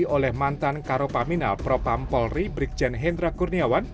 oleh mantan karopamina propam polri brigjen hendra kurniawan